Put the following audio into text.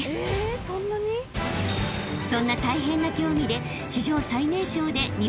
［そんな大変な競技で］